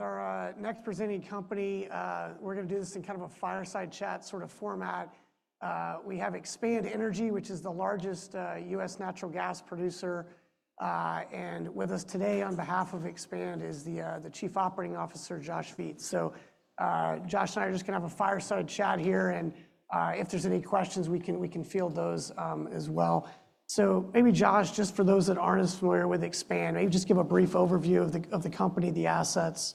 With our next presenting company, we're gonna do this in kind of a fireside chat sort of format. We have Expand Energy, which is the largest U.S. natural gas producer. With us today on behalf of Expand is the Chief Operating Officer, Josh Viets. Josh and I are just gonna have a fireside chat here, and if there's any questions, we can field those as well. Maybe Josh, just for those that aren't as familiar with Expand, just give a brief overview of the company, the assets.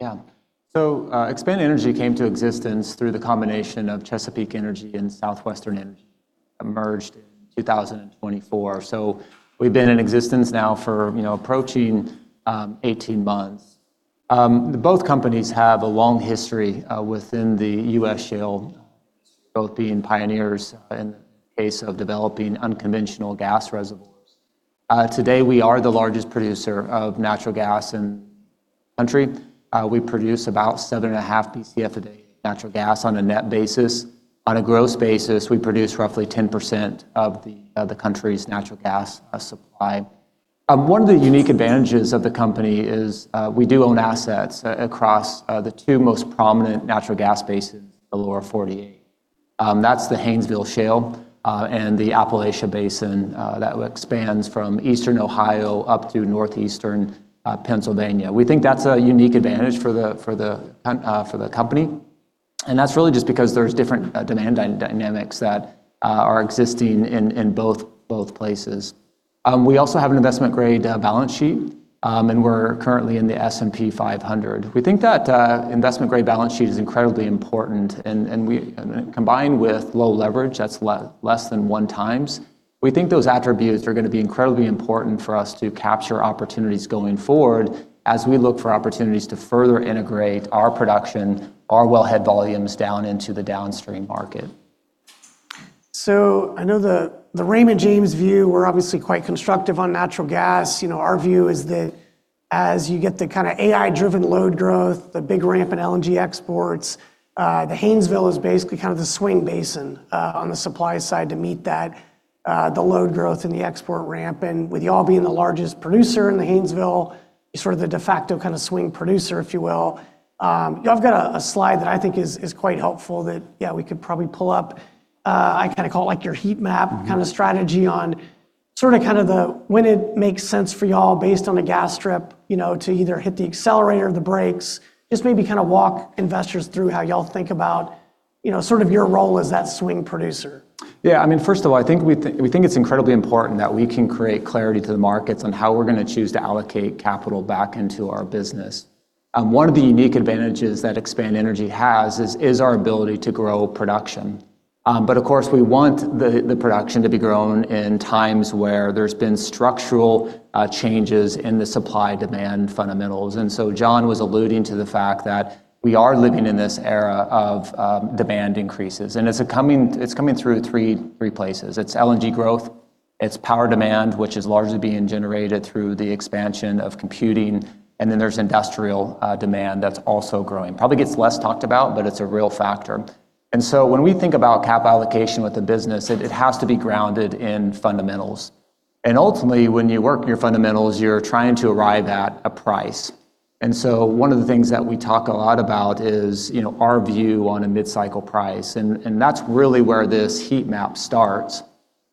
Expand Energy came to existence through the combination of Chesapeake Energy and Southwestern Energy, emerged in 2024. We've been in existence now for, you know, approaching 18 months. Both companies have a long history within the U.S. Shale, both being pioneers in case of developing unconventional gas reservoirs. Today we are the largest producer of natural gas in the country. We produce about 7.5 Bcf a day natural gas on a net basis. On a gross basis, we produce roughly 10% of the country's natural gas supply. One of the unique advantages of the company is, we do own assets across the two most prominent natural gas basins, the Lower 48. That's the Haynesville Shale, and the Appalachia Basin, that expands from eastern Ohio up to northeastern Pennsylvania. We think that's a unique advantage for the company, and that's really just because there's different demand dynamics that are existing in both places. We also have an investment grade balance sheet, and we're currently in the S&P 500. We think that investment grade balance sheet is incredibly important and combined with low leverage, that's less than 1 times. We think those attributes are gonna be incredibly important for us to capture opportunities going forward as we look for opportunities to further integrate our production, our well head volumes down into the downstream market. I know the Raymond James view, we're obviously quite constructive on natural gas. You know, our view is that as you get the kinda AI-driven load growth, the big ramp in LNG exports, the Haynesville is basically kind of the swing basin on the supply side to meet that the load growth and the export ramp. With y'all being the largest producer in the Haynesville, sort of the de facto kinda swing producer, if you will. Y'all have got a slide that I think is quite helpful that, yeah, we could probably pull up. I kinda call it like your heat map. Kinda strategy on sorta kind of the when it makes sense for y'all based on the gas strip, you know, to either hit the accelerator or the brakes. Just maybe kinda walk investors through how y'all think about, you know, sort of your role as that swing producer. Yeah, I mean, first of all, I think we think it's incredibly important that we can create clarity to the markets on how we're gonna choose to allocate capital back into our business. One of the unique advantages that Expand Energy has is our ability to grow production. But of course, we want the production to be grown in times where there's been structural changes in the supply-demand fundamentals. John was alluding to the fact that we are living in this era of demand increases, and it's coming, it's coming through three places. It's LNG growth, it's power demand, which is largely being generated through the expansion of computing, and then there's industrial demand that's also growing. Probably gets less talked about, but it's a real factor. When we think about CapEx allocation with the business, it has to be grounded in fundamentals. Ultimately, when you work your fundamentals, you're trying to arrive at a price. One of the things that we talk a lot about is, you know, our view on a mid-cycle price, and that's really where this heat map starts.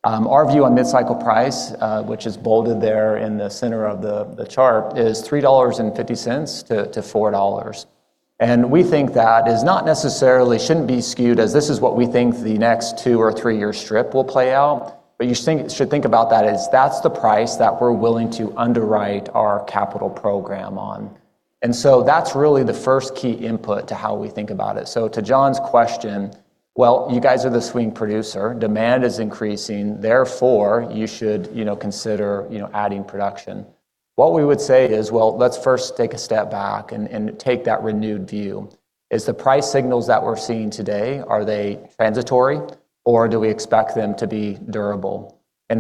Our view on mid-cycle price, which is bolded there in the center of the chart, is $3.50-$4. We think that is not necessarily shouldn't be skewed, as this is what we think the next two or three-year strip will play out. You should think about that as that's the price that we're willing to underwrite our capital program on. That's really the first key input to how we think about it. To John's question, well, you guys are the swing producer. Demand is increasing, therefore, you should, you know, consider, you know, adding production. What we would say is, well, let's first take a step back and take that renewed view. Is the price signals that we're seeing today, are they transitory, or do we expect them to be durable?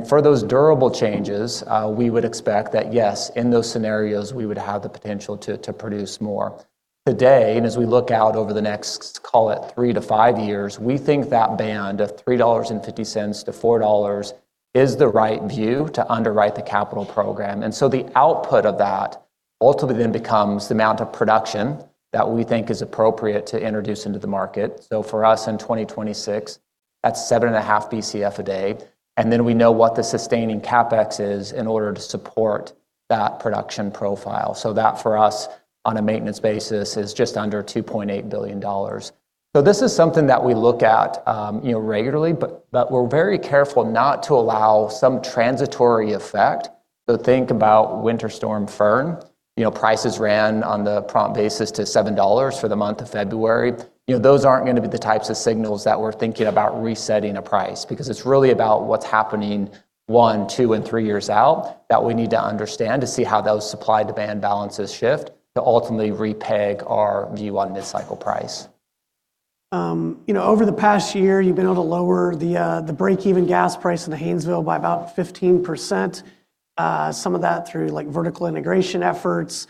For those durable changes, we would expect that, yes, in those scenarios, we would have the potential to produce more. Today, and as we look out over the next, call it three to five years, we think that band of $3.50-$4.00 is the right view to underwrite the capital program. The output of that ultimately then becomes the amount of production that we think is appropriate to introduce into the market. For us in 2026, that's 7.5 Bcf a day. Then we know what the sustaining CapEx is in order to support that production profile. That for us, on a maintenance basis, is just under $2.8 billion. This is something that we look at, you know, regularly, but we're very careful not to allow some transitory effect. Think about Winter Storm Fern. You know, prices ran on the prompt basis to $7 for the month of February. You know, those aren't gonna be the types of signals that we're thinking about resetting a price, because it's really about what's happening one, two, and three years out that we need to understand to see how those supply-demand balances shift to ultimately re-peg our view on mid-cycle price. You know, over the past year, you've been able to lower the breakeven gas price in the Haynesville by about 15%. Some of that through, like, vertical integration efforts.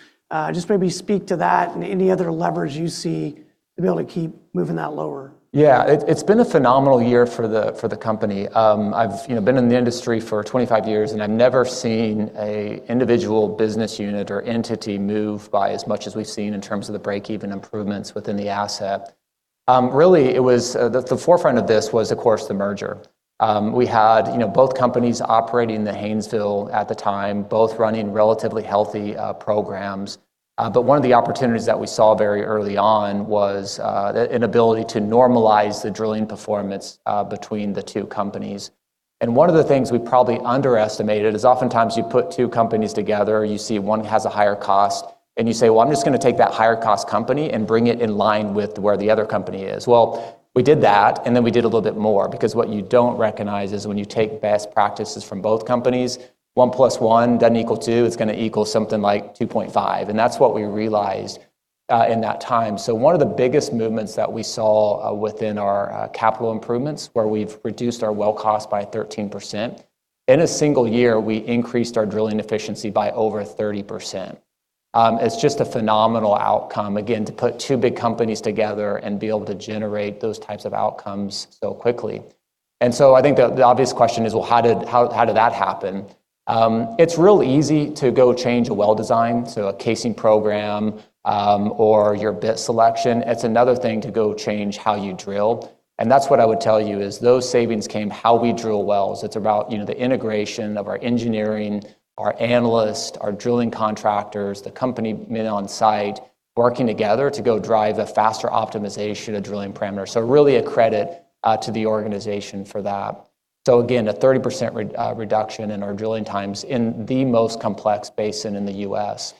Just maybe speak to that and any other levers you see to be able to keep moving that lower. It's been a phenomenal year for the company. I've, you know, been in the industry for 25 years, and I've never seen an individual business unit or entity move by as much as we've seen in terms of the breakeven improvements within the asset. Really the forefront of this was, of course, the merger. We had, you know, both companies operating the Haynesville at the time, both running relatively healthy programs. One of the opportunities that we saw very early on was the inability to normalize the drilling performance between the two companies. One of the things we probably underestimated is oftentimes you put two companies together and you see one has a higher cost, and you say, "Well, I'm just gonna take that higher cost company and bring it in line with where the other company is." We did that, and then we did a little bit more because what you don't recognize is when you take best practices from both companies, one plus one doesn't equal two, it's gonna equal something like 2.5, and that's what we realized in that time. One of the biggest movements that we saw within our capital improvements, where we've reduced our well cost by 13%, in a single year, we increased our drilling efficiency by over 30%. It's just a phenomenal outcome, again, to put two big companies together and be able to generate those types of outcomes so quickly. I think the obvious question is: Well, how did that happen? It's real easy to go change a well design, so a casing program, or your bit selection. It's another thing to go change how you drill, and that's what I would tell you, is those savings came how we drill wells. It's about, you know, the integration of our engineering, our analysts, our drilling contractors, the company men on site working together to go drive a faster optimization of drilling parameters. Really a credit to the organization for that. Again, a 30% reduction in our drilling times in the most complex basin in the U.S.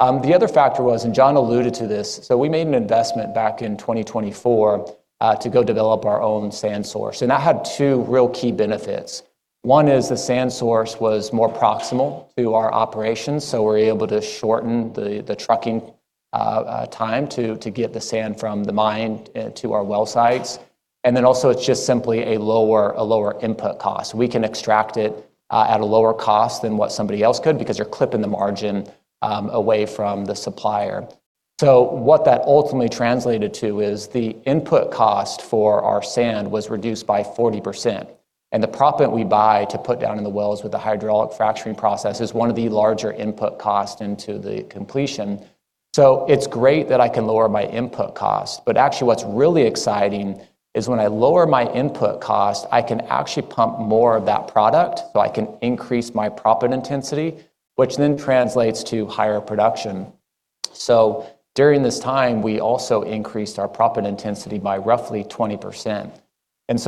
The other factor was, and John alluded to this, so we made an investment back in 2024 to go develop our own sand source, and that had two real key benefits. One is the sand source was more proximal to our operations, so we're able to shorten the trucking time to get the sand from the mine to our well sites. Also it's just simply a lower input cost. We can extract it at a lower cost than what somebody else could because you're clipping the margin away from the supplier. What that ultimately translated to is the input cost for our sand was reduced by 40%, and the proppant we buy to put down in the wells with the hydraulic fracturing process is one of the larger input cost into the completion. It's great that I can lower my input cost, but actually what's really exciting is when I lower my input cost, I can actually pump more of that product, I can increase my proppant intensity, which translates to higher production. During this time, we also increased our proppant intensity by roughly 20%.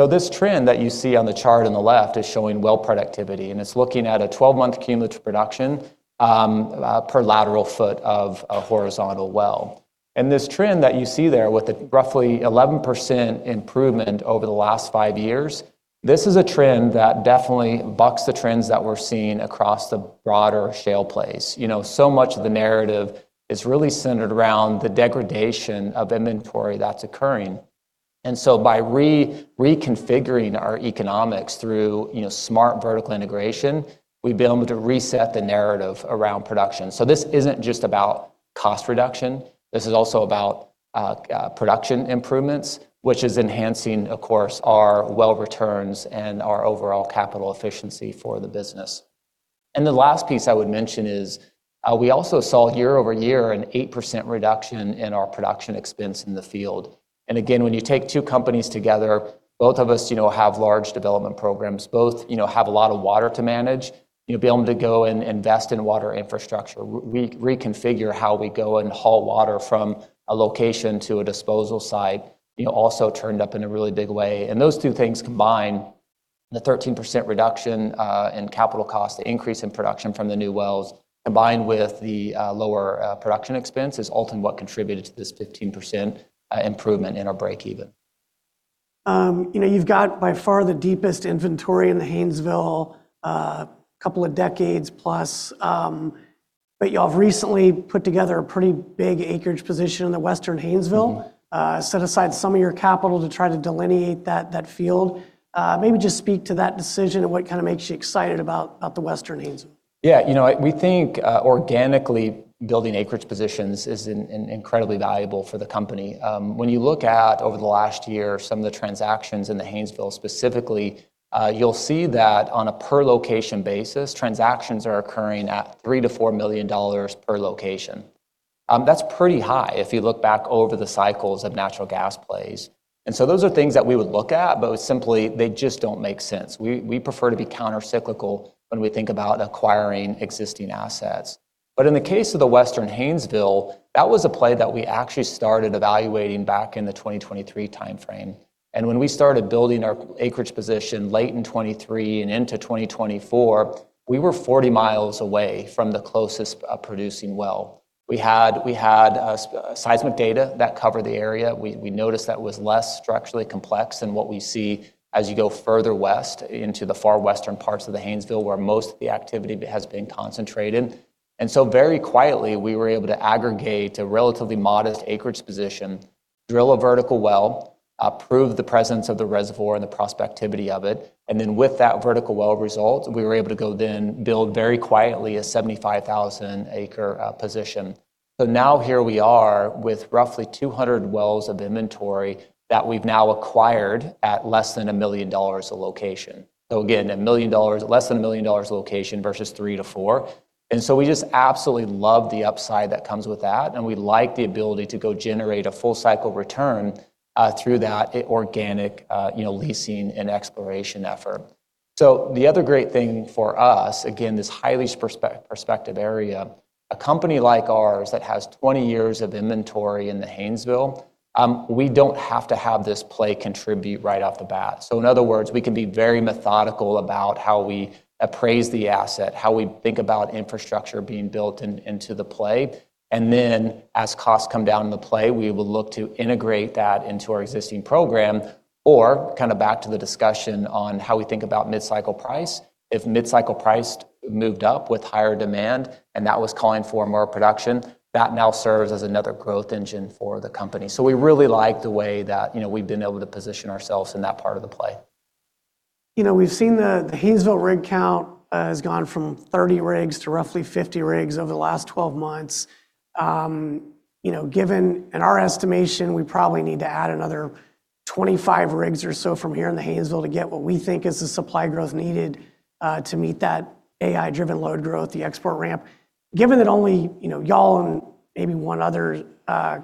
This trend that you see on the chart on the left is showing well productivity, and it's looking at a 12-month cumulative production per lateral foot of a horizontal well. This trend that you see there with a roughly 11% improvement over the last five years, this is a trend that definitely bucks the trends that we're seeing across the broader shale plays. You know, so much of the narrative is really centered around the degradation of inventory that's occurring. By re-reconfiguring our economics through, you know, smart vertical integration, we've been able to reset the narrative around production. This isn't just about cost reduction, this is also about production improvements, which is enhancing, of course, our well returns and our overall capital efficiency for the business. The last piece I would mention is, we also saw year-over-year an 8% reduction in our production expense in the field. Again, when you take two companies together, both of us, you know, have large development programs, both, you know, have a lot of water to manage. You'll be able to go and invest in water infrastructure. We reconfigure how we go and haul water from a location to a disposal site, you know, also turned up in a really big way. Those two things combined, the 13% reduction in capital cost, the increase in production from the new wells, combined with the lower production expense is ultimately what contributed to this 15% improvement in our breakeven. You know, you've got by far the deepest inventory in the Haynesville, couple of decades plus, but y'all have recently put together a pretty big acreage position in the Western Haynesville. Set aside some of your capital to try to delineate that field. Maybe just speak to that decision and what kind of makes you excited about the Western Haynesville. Yeah. You know, we think organically building acreage positions is incredibly valuable for the company. When you look at over the last year some of the transactions in the Haynesville specifically, you'll see that on a per location basis, transactions are occurring at $3 million-$4 million per location. That's pretty high if you look back over the cycles of natural gas plays. Those are things that we would look at, but simply, they just don't make sense. We prefer to be countercyclical when we think about acquiring existing assets. In the case of the Western Haynesville, that was a play that we actually started evaluating back in the 2023 timeframe. When we started building our acreage position late in 2023 and into 2024, we were 40 mi away from the closest producing well. We had seismic data that covered the area. We noticed that was less structurally complex than what we see as you go further west into the far western parts of the Haynesville, where most of the activity has been concentrated. Very quietly, we were able to aggregate a relatively modest acreage position, drill a vertical well, prove the presence of the reservoir and the prospectivity of it. With that vertical well result, we were able to go then build very quietly a 75,000 acre position. Now here we are with roughly 200 wells of inventory that we've now acquired at less than $1 million a location. Again, less than $1 million a location versus $3 million to $4 million. We just absolutely love the upside that comes with that, and we like the ability to go generate a full cycle return, through that organic, you know, leasing and exploration effort. The other great thing for us, again, this highly perspective area, a company like ours that has 20 years of inventory in the Haynesville, we don't have to have this play contribute right off the bat. In other words, we can be very methodical about how we appraise the asset, how we think about infrastructure being built into the play. Then as costs come down in the play, we will look to integrate that into our existing program, or kind of back to the discussion on how we think about mid-cycle price. If mid-cycle price moved up with higher demand, and that was calling for more production, that now serves as another growth engine for the company. We really like the way that, you know, we've been able to position ourselves in that part of the play. You know, we've seen the Haynesville rig count, has gone from 30 rigs to roughly 50 rigs over the last 12 months. You know, given in our estimation, we probably need to add another 25 rigs or so from here in the Haynesville to get what we think is the supply growth needed to meet that AI driven load growth, the export ramp. Given that only, you know, y'all and maybe one other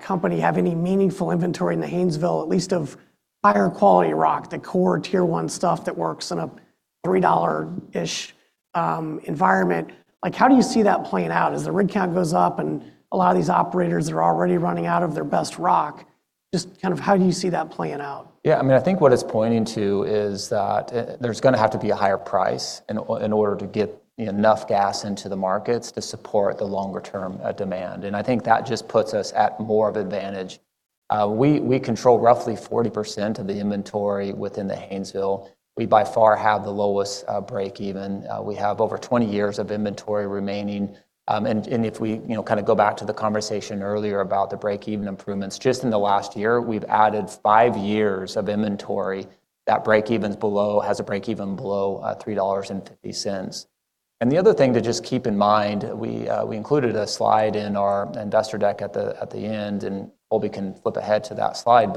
company have any meaningful inventory in the Haynesville, at least of higher quality rock, the core tier one stuff that works in a $3-ish environment. Like how do you see that playing out as the rig count goes up and a lot of these operators are already running out of their best rock? Just kind of how do you see that playing out? Yeah, I mean, I think what it's pointing to is that there's gonna have to be a higher price in order to get enough gas into the markets to support the longer term demand. I think that just puts us at more of advantage. We control roughly 40% of the inventory within the Haynesville. We by far have the lowest breakeven. We have over 20 years of inventory remaining. And if we, you know, kind of go back to the conversation earlier about the breakeven improvements, just in the last year, we've added five years of inventory that has a breakeven below $3.50. The other thing to just keep in mind, we included a slide in our investor deck at the, at the end, and Obie can flip ahead to that slide.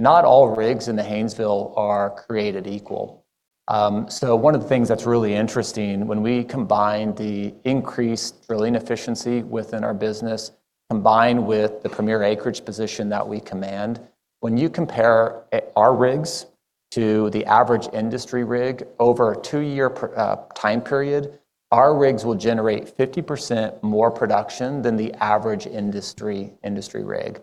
Not all rigs in the Haynesville are created equal. One of the things that's really interesting, when we combine the increased drilling efficiency within our business, combined with the premier acreage position that we command, when you compare our rigs to the average industry rig over a two-year per time period, our rigs will generate 50% more production than the average industry rig.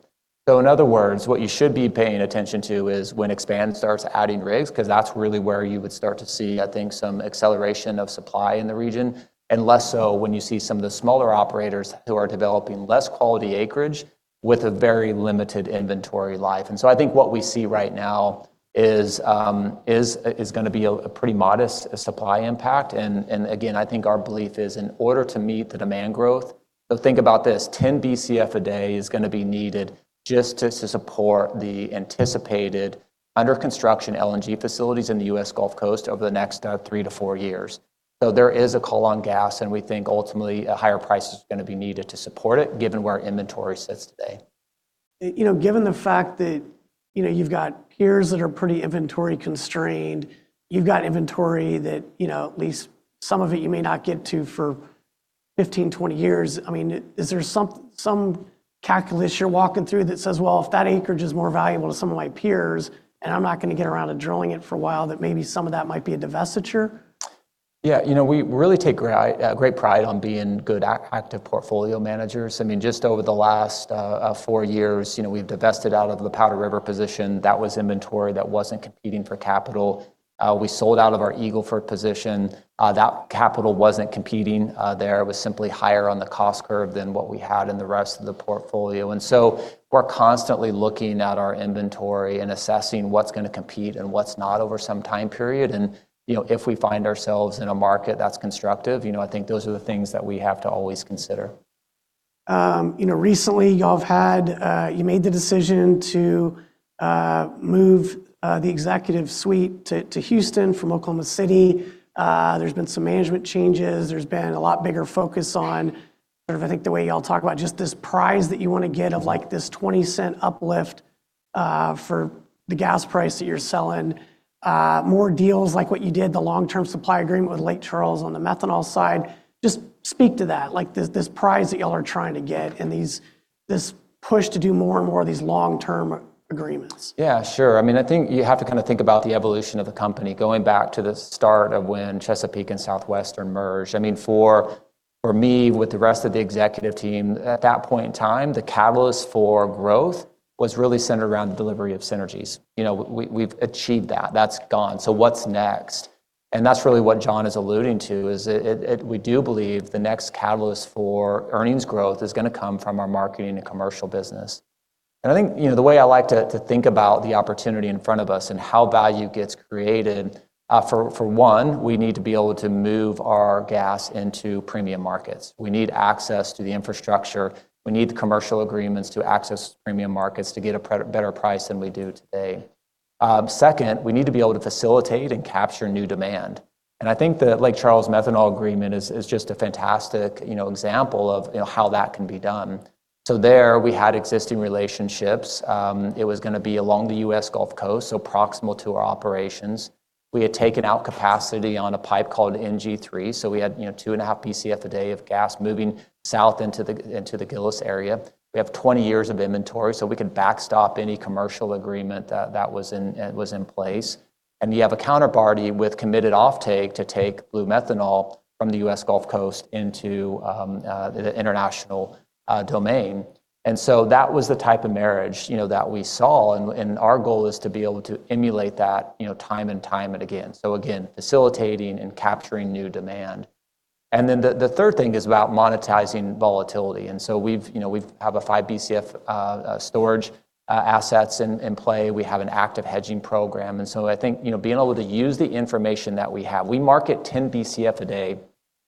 In other words, what you should be paying attention to is when Expand starts adding rigs, 'cause that's really where you would start to see, I think, some acceleration of supply in the region, and less so when you see some of the smaller operators who are developing less quality acreage with a very limited inventory life. I think what we see right now is gonna be a pretty modest supply impact. Again, I think our belief is in order to meet the demand growth. Think about this, 10 Bcf a day is gonna be needed just to support the anticipated under construction LNG facilities in the US Gulf Coast over the next 3-4 years. There is a call on gas, and we think ultimately a higher price is going to be needed to support it, given where inventory sits today. You know, given the fact that, you know, you've got peers that are pretty inventory constrained, you've got inventory that, you know, at least some of it you may not get to for 15, 20 years. I mean, is there some calculus you're walking through that says, "Well, if that acreage is more valuable to some of my peers, and I'm not gonna get around to drilling it for a while, that maybe some of that might be a divestiture? Yeah. You know, we really take great pride on being good active portfolio managers. I mean, just over the last four years, you know, we've divested out of the Powder River position. That was inventory that wasn't competing for capital. We sold out of our Eagle Ford position. That capital wasn't competing there. It was simply higher on the cost curve than what we had in the rest of the portfolio. We're constantly looking at our inventory and assessing what's gonna compete and what's not over some time period. You know, if we find ourselves in a market that's constructive, you know, I think those are the things that we have to always consider. Recently, y'all have had, you made the decision to move the executive suite to Houston from Oklahoma City. There's been some management changes. There's been a lot bigger focus on sort of, I think, the way y'all talk about just this prize that you want to get of, like, this 20 cent uplift for the gas price that you're selling. More deals like what you did, the long-term supply agreement with Lake Charles on the methanol side? Just speak to that, like, this prize that y'all are trying to get and this push to do more and more of these long-term agreements. Yeah, sure. I mean, I think you have to kind of think about the evolution of the company going back to the start of when Chesapeake and Southwestern merged. I mean, for me, with the rest of the executive team, at that point in time, the catalyst for growth was really centered around the delivery of synergies. You know, we've achieved that. That's gone. What's next? That's really what John is alluding to, we do believe the next catalyst for earnings growth is gonna come from our marketing and commercial business. I think, you know, the way I like to think about the opportunity in front of us and how value gets created, for one, we need to be able to move our gas into premium markets. We need access to the infrastructure. We need the commercial agreements to access premium markets to get a pre-better price than we do today. Second, we need to be able to facilitate and capture new demand. I think the Lake Charles methanol agreement is just a fantastic, you know, example of, you know, how that can be done. There, we had existing relationships. It was gonna be along the US Gulf Coast, so proximal to our operations. We had taken out capacity on a pipe called NG3, so we had, you know, 2.5 Bcf a day of gas moving south into the Gillis area. We have 20 years of inventory, so we could backstop any commercial agreement that was in place. You have a counterparty with committed offtake to take blue methanol from the US Gulf Coast into the international domain. That was the type of marriage, you know, that we saw, and our goal is to be able to emulate that, you know, time and time again. Again, facilitating and capturing new demand. The third thing is about monetizing volatility. We've, you know, we have a 5 Bcf storage assets in play. We have an active hedging program. I think, you know, being able to use the information that we have. We market 10 Bcf a day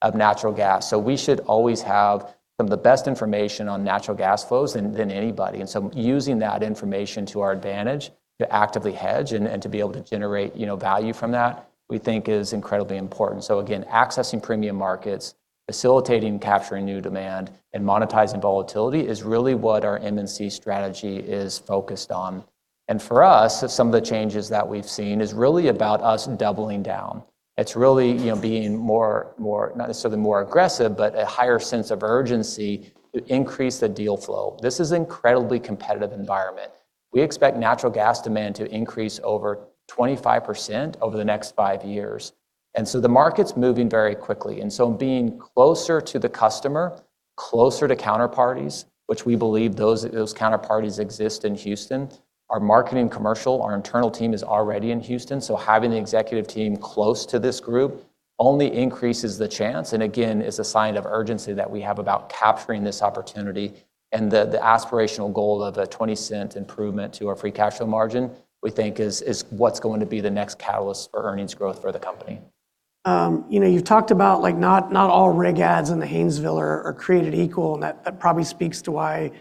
of natural gas, so we should always have some of the best information on natural gas flows than anybody. Using that information to our advantage to actively hedge and to be able to generate, you know, value from that, we think is incredibly important. Again, accessing premium markets, facilitating capturing new demand, and monetizing volatility is really what our M&C strategy is focused on. For us, some of the changes that we've seen is really about us doubling down. It's really, you know, being more, not necessarily more aggressive, but a higher sense of urgency to increase the deal flow. This is incredibly competitive environment. We expect natural gas demand to increase over 25% over the next five years. The market's moving very quickly. Being closer to the customer, closer to counterparties, which we believe those counterparties exist in Houston. Our marketing commercial, our internal team is already in Houston, so having the executive team close to this group only increases the chance, and again, is a sign of urgency that we have about capturing this opportunity. The, the aspirational goal of a $0.20 improvement to our free cash flow margin, we think is what's going to be the next catalyst for earnings growth for the company. You know, you talked about, like, not all rig adds in the Haynesville are created equal, and that probably speaks to why,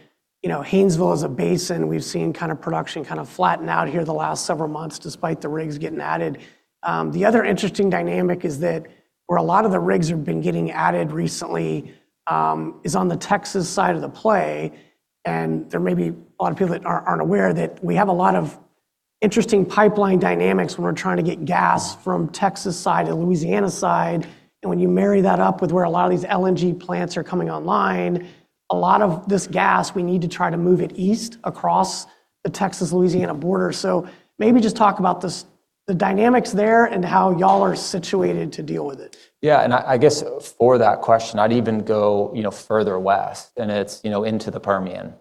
you know, Haynesville as a basin, we've seen kind of production kind of flatten out here the last several months despite the rigs getting added. The other interesting dynamic is that where a lot of the rigs have been getting added recently, is on the Texas side of the play, and there may be a lot of people that aren't aware that we have a lot of interesting pipeline dynamics when we're trying to get gas from Texas side to Louisiana side. When you marry that up with where a lot of these LNG plants are coming online, a lot of this gas, we need to try to move it east across the Texas-Louisiana border. Maybe just talk about the dynamics there and how y'all are situated to deal with it? I guess for that question, I'd even go, you know, further west, and it's, you know, into the Permian.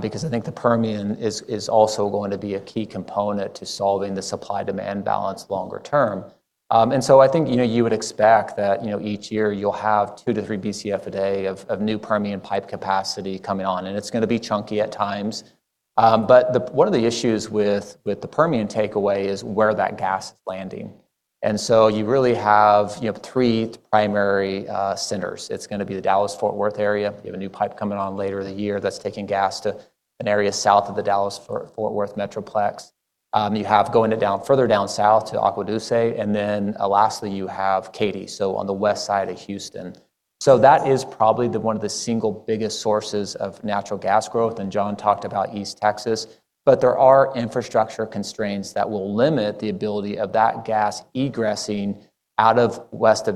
Because I think the Permian is also going to be a key component to solving the supply-demand balance longer term. I think, you know, you would expect that, you know, each year you'll have 2 to 3 Bcf a day of new Permian pipe capacity coming on, and it's gonna be chunky at times. One of the issues with the Permian takeaway is where that gas is landing. You really have, you have three primary centers. It's gonna be the Dallas-Fort Worth area. You have a new pipe coming on later in the year that's taking gas to an area south of the Dallas-Fort Worth metroplex. You have further down south to Agua Dulce, then lastly, you have Katy, so on the west side of Houston. That is probably the one of the single biggest sources of natural gas growth. John talked about East Texas. There are infrastructure constraints that will limit the ability of that gas egressing out of west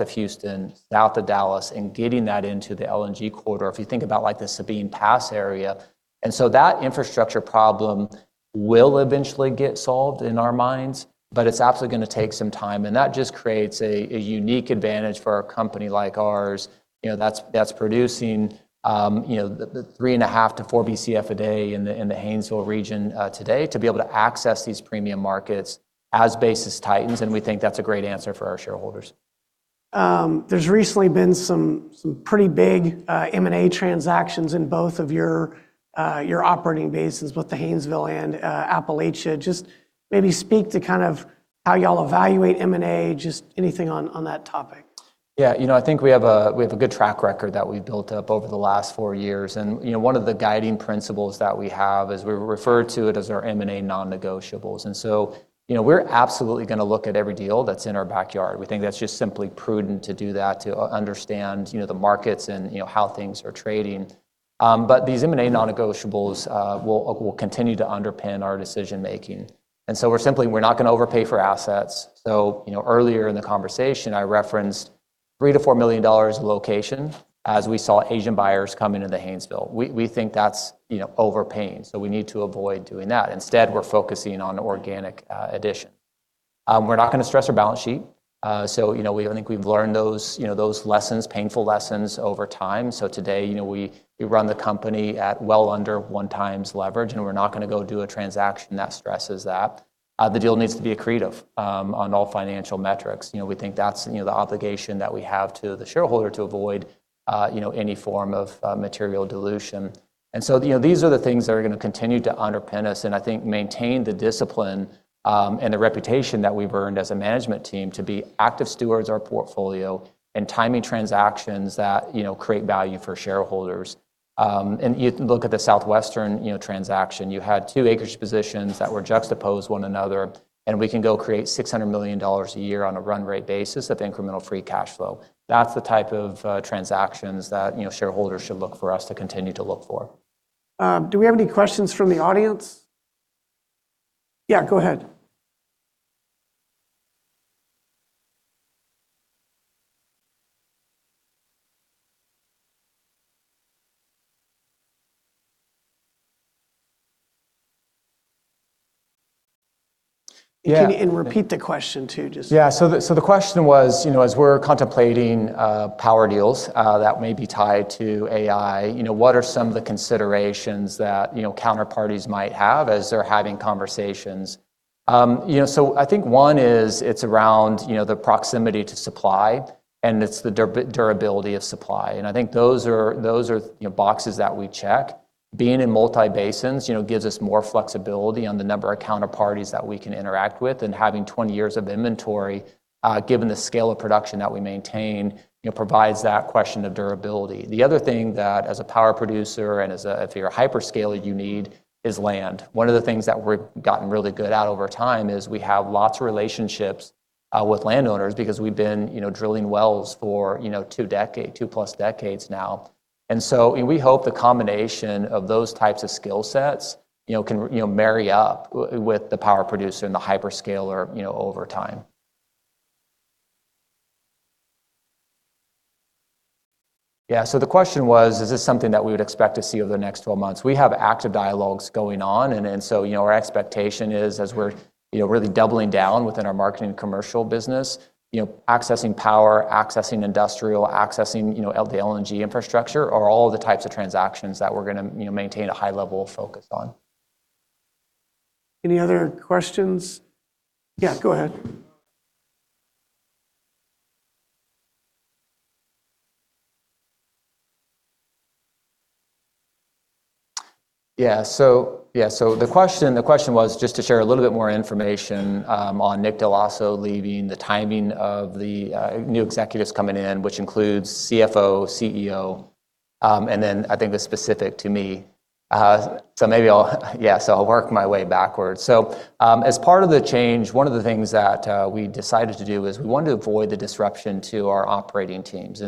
of Houston, south of Dallas, and getting that into the LNG corridor, if you think about, like, the Sabine Pass area. That infrastructure problem will eventually get solved in our minds, but it's absolutely gonna take some time. That just creates a unique advantage for a company like ours, you know, that's producing, you know, the 3.5-4 Bcf a day in the Haynesville region today, to be able to access these premium markets as basis tightens. We think that's a great answer for our shareholders. There's recently been some pretty big M&A transactions in both of your operating bases with the Haynesville and Appalachia. Just maybe speak to kind of how y'all evaluate M&A, just anything on that topic? You know, I think we have a good track record that we've built up over the last four years. You know, one of the guiding principles that we have is we refer to it as our M&A non-negotiables. You know, we're absolutely gonna look at every deal that's in our backyard. We think that's just simply prudent to do that, to understand, you know, the markets and, you know, how things are trading. But these M&A non-negotiables will continue to underpin our decision-making. We're not gonna overpay for assets. You know, earlier in the conversation, I referenced $3 million-$4 million a location as we saw Asian buyers come into the Haynesville. We think that's, you know, overpaying, so we need to avoid doing that. Instead, we're focusing on organic addition. We're not gonna stress our balance sheet. You know, I think we've learned those, you know, those lessons, painful lessons over time. Today, you know, we run the company at well under 1 times leverage, and we're not gonna go do a transaction that stresses that. The deal needs to be accretive on all financial metrics. You know, we think that's, you know, the obligation that we have to the shareholder to avoid, you know, any form of material dilution. You know, these are the things that are gonna continue to underpin us and I think maintain the discipline, and the reputation that we've earned as a management team to be active stewards of our portfolio and timing transactions that, you know, create value for shareholders. You look at the Southwestern, you know, transaction, you had two acreage positions that were juxtaposed one another, and we can go create $600 million a year on a run rate basis of incremental free cash flow. That's the type of transactions that, you know, shareholders should look for us to continue to look for. Do we have any questions from the audience? Yeah, go ahead. Yeah. Repeat the question, too. Yeah. The question was, you know, as we're contemplating power deals that may be tied to AI, you know, what are some of the considerations that, you know, counterparties might have as they're having conversations? You know, I think one is it's around, you know, the proximity to supply, and it's the durability of supply. I think those are, you know, boxes that we check. Being in multi basins, you know, gives us more flexibility on the number of counterparties that we can interact with. Having 20 years of inventory, given the scale of production that we maintain, you know, provides that question of durability. The other thing that as a power producer and if you're a hyperscaler, you need is land. One of the things that we've gotten really good at over time is we have lots of relationships with landowners because we've been, you know, drilling wells for, you know, two-plus decades now. We hope the combination of those types of skill sets, you know, can marry up with the power producer and the hyperscaler, you know, over time. The question was, is this something that we would expect to see over the next 12 months? We have active dialogues going on. Our expectation is as we're, you know, really doubling down within our marketing and commercial business, you know, accessing power, accessing industrial, accessing the LNG infrastructure are all the types of transactions that we're gonna, you know, maintain a high level of focus on. Any other questions? Yeah, go ahead. Yeah. So yeah. The question was just to share a little bit more information on Nick Dell'Osso leaving, the timing of the new executives coming in, which includes CFO, CEO, and then I think that's specific to me. Maybe I'll... Yeah, I'll work my way backwards. As part of the change, one of the things that we decided to do is we wanted to avoid the disruption to our operating teams.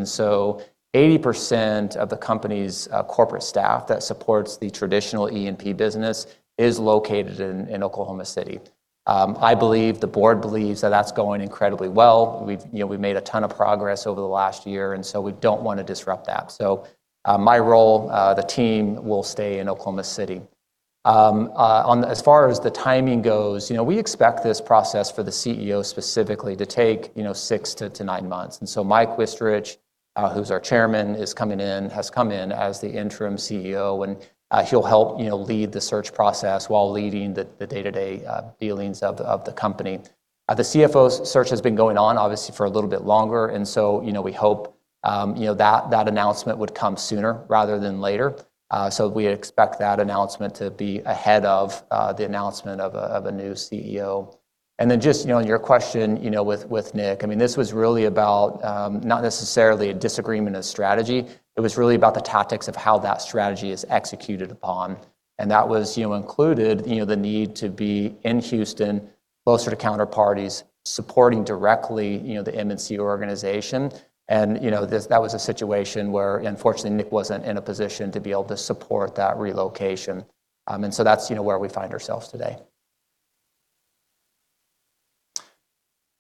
80% of the company's corporate staff that supports the traditional E&P business is located in Oklahoma City. I believe, the board believes that that's going incredibly well. We've, you know, we've made a ton of progress over the last year, we don't wanna disrupt that. My role, the team will stay in Oklahoma City. As far as the timing goes, you know, we expect this process for the CEO specifically to take, you know, six to nine months. Mike Wichterich, who's our chairman, is coming in, has come in as the interim CEO, and he'll help, you know, lead the search process while leading the day-to-day dealings of the company. The CFO's search has been going on obviously for a little bit longer, you know, we hope, you know, that announcement would come sooner rather than later. We expect that announcement to be ahead of the announcement of a new CEO. Just, you know, your question, you know, with Nick, I mean, this was really about not necessarily a disagreement of strategy. It was really about the tactics of how that strategy is executed upon. That was, you know, included, you know, the need to be in Houston closer to counterparties, supporting directly, you know, the M&C organization. That was a situation where unfortunately, Nick wasn't in a position to be able to support that relocation. That's, you know, where we find ourselves today.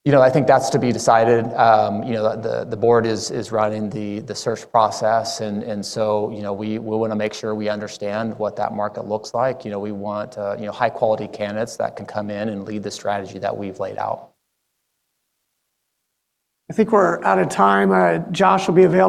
You know, I think that's to be decided. You know, the board is running the search process and so, you know, we wanna make sure we understand what that market looks like. You know, we want, you know, high quality candidates that can come in and lead the strategy that we've laid out. I think we're out of time. Josh will be available.